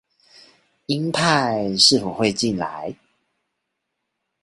英派是否會進來